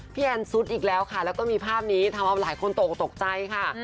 แอนซุดอีกแล้วค่ะแล้วก็มีภาพนี้ทำเอาหลายคนตกตกใจค่ะ